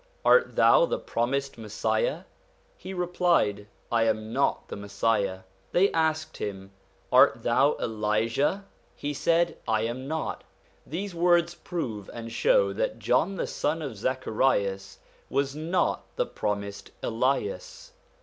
Art thou the promised Messiah ?' He replied :' I am not the Messiah.' Then they asked him :' Art thou Elijah ?' He said :' I am not.' These words prove and show that John the son of Zacharias was not the promised Elias.